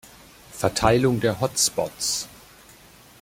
Verteilung der Hot Spots.